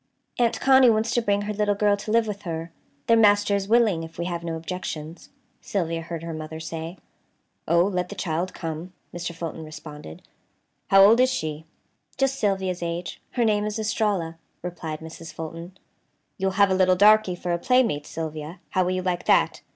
"Aunt Connie wants to bring her little girl to live with her. Their master is willing, if we have no objections," Sylvia heard her mother say. "Oh, let the child come," Mr. Fulton responded; "how old is she?" "Just Sylvia's age. Her name is Estralla," replied Mrs. Fulton. "You'll have a little darky for a playmate, Sylvia. How will you like that?"